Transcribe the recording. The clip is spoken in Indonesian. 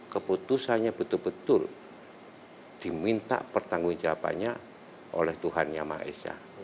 keputusannya betul betul diminta pertanggung jawabannya oleh tuhan yang maha esa